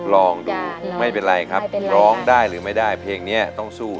ลองดูไม่เป็นไรครับร้องได้หรือไม่ได้เพลงนี้ต้องสู้